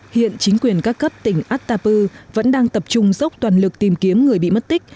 hiện chính quyền các cấp tỉnh atapu vẫn đang tập trung dốc toàn lực tìm kiếm người bị mất tích